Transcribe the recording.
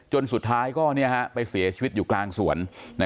สุดท้ายก็ไปเสียชีวิตอยู่กลางสวน